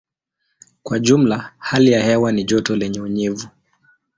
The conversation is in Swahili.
Kwa jumla hali ya hewa ni joto lenye unyevu.